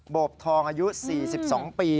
บทองอายุ๔๒ปี